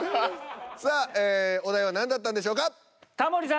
さあええお題は何だったんでしょうか。